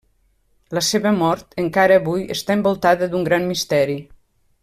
La seva mort, encara avui, està envoltada d'un gran misteri.